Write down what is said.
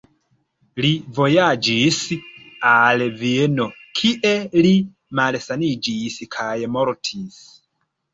Li vojaĝis al Vieno, kie li malsaniĝis kaj mortis.